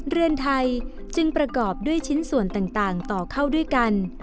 เรือนไทยจึงประกอบด้วยชิ้นส่วนต่างต่อเข้าด้วยกัน